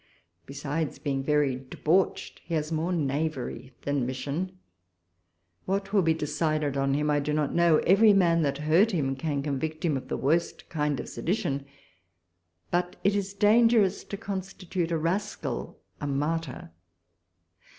Besides being very debauched, he has more knavery than mission. What will be decided on him, I do not know ; every man that heard him can convict him of the worst kind of sedition : but it is dangerous to constitute a rascal a martyr.